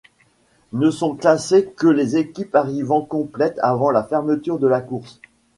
Ne sont classées que les équipes arrivant complètes avant la fermeture de la course.